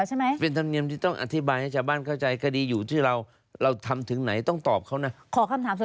และเป็นหน้าที่ที่ไอ้อาการต้องพบเพื่อตอบไหม